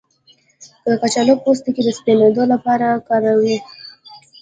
د کچالو پوستکی د سپینیدو لپاره وکاروئ